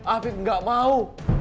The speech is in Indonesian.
afif gak mau